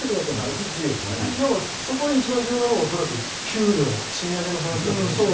そこで一番需要なのが給料、賃上げの話だと思います。